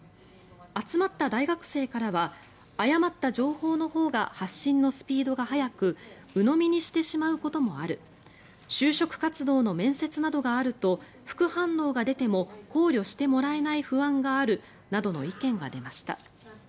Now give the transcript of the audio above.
集まった大学生からは誤った情報のほうが発信のスピードが速くうのみにしてしまうこともある就職活動の面接などがあると副反応が出ても考慮してもらえない不安があるなどの意見が出ました。